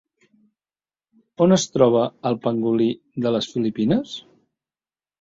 On es troba el pangolí de les Filipines?